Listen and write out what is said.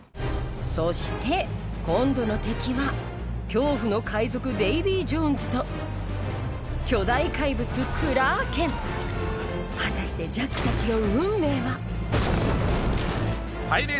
そして今度の敵は恐怖の海賊デイヴィ・ジョーンズと巨大怪物クラーケン果たしてジャックたちの運命は？